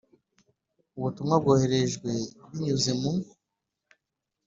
Ubutumwa Byoherejwe Binyuze Mu